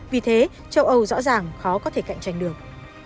vì thế châu âu rõ ràng khó có thể cạnh tranh được